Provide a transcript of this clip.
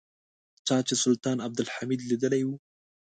چا چې سلطان عبدالحمید لیدلی و.